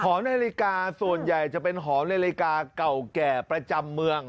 หอนาฬิกาส่วนใหญ่จะเป็นหอนาฬิกาเก่าแก่ประจำเมือง